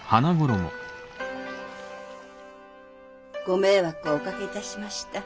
ご迷惑をおかけ致しました。